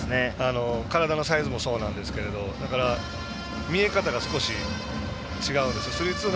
体のサイズもそうなんですけれど見え方が少し違うんです。